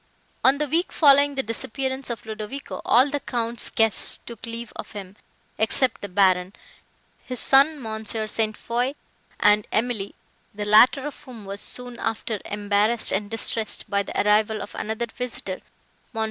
On the week following the disappearance of Ludovico, all the Count's guests took leave of him, except the Baron, his son Mons. St. Foix, and Emily; the latter of whom was soon after embarrassed and distressed by the arrival of another visitor, Mons.